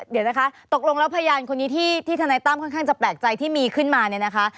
เดี๋ยวนะคะตกลงแล้วพยานคนนี้ที่ทนายตั้มค่อนข้างจะแปลกใจที่มีขึ้นมาเนี่ยนะคะ